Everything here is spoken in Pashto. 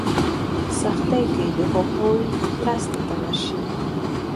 په سختۍ کې د هغوی مرستې ته ورشئ.